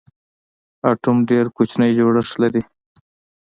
اټوم ډېر کوچنی جوړښت لري.